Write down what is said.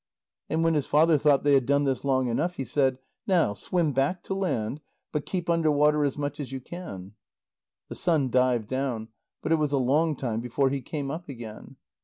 And when his father thought they had done this long enough, he said: "Now swim back to land, but keep under water as much as you can." The son dived down, but it was a long time before he came up again.